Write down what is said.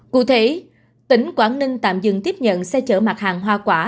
cụ thể tỉnh quảng ninh tạm dừng tiếp nhận xe chở mặt hàng hoa quả